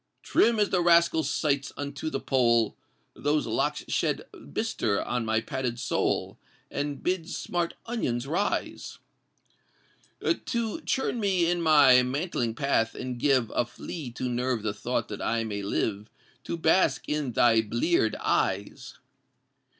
Trim as the Rascal Sights unto the Pole, Those locks shed bistre on my padded soul, And bid smart onions rise To churn me in my mantling path and give A flea to nerve the thought that I may live To bask in thy blear'd eyes!